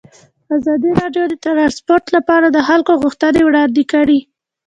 ازادي راډیو د ترانسپورټ لپاره د خلکو غوښتنې وړاندې کړي.